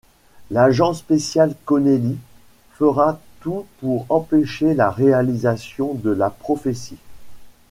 L'Agent Spécial Connelly fera tout pour empêcher la réalisation de la prophétie..